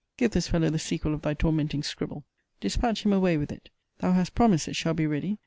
Give this fellow the sequel of thy tormenting scribble. Dispatch him away with it. Thou hast promised it shall be ready.